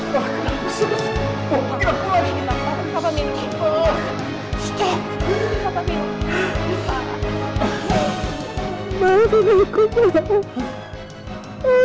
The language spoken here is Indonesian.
dave jangan dipulangin giliran